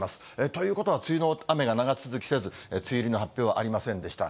ということは、梅雨の雨が長続きせず、梅雨入りの発表はありませんでした。